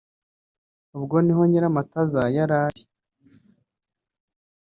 ubwo niho Nyiramataza yari ari